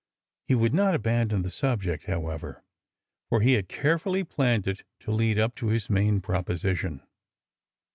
He would not abandon the subject, however; for he had carefully planned it to lead up to his main proposition.